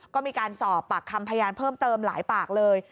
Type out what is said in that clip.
ก็มีการสอบปากคำพยานเพิ่มเติมหลายปากเลย